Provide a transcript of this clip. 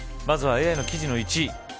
まずはＡＩの記事の１位。